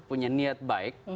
punya niat baik